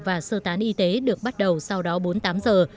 và sơ tán y tế được bắt đầu sau đó bốn mươi tám giờ